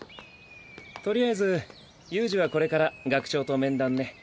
とりあえず悠仁はこれから学長と面談ね。